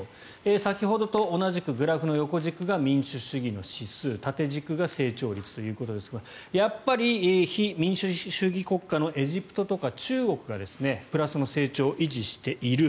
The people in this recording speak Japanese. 先ほどと同じくグラフの横軸が民主主義の指数縦軸が成長率ということですがやっぱり非民主主義国家のエジプトとか中国がプラスの成長を維持している。